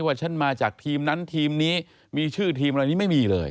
ว่าฉันมาจากทีมนั้นทีมนี้มีชื่อทีมอะไรนี้ไม่มีเลย